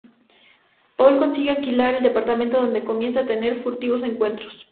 Paul consigue alquilar el departamento, donde comienzan a tener furtivos encuentros.